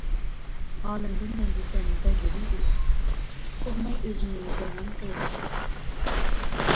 ھالىمدىن رەنجىسەم بەزلىدى ئۈمىد، تۇتقۇزماي ئۆزىنى جانان قېرىتتى.